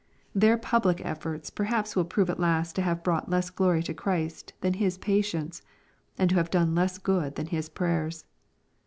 Their public efforts perhaps will prove at last to have brought less glory to Christ than his patience, and to have done less good than his prayers.